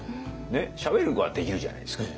しゃべることはできるじゃないですか。